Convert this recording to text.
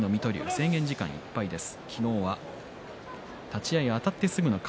制限時間いっぱいです。